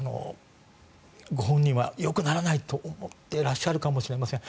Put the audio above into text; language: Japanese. ご本人はよくならないと思っているかもしれません。